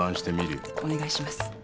お願いします。